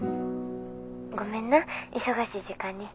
ごめんな忙しい時間に。